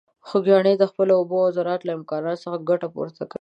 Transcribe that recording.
خوږیاڼي د خپلو اوبو او زراعت له امکاناتو څخه ګټه پورته کوي.